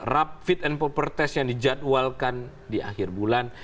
rap fit and properties yang dijadwalkan di akhir bulan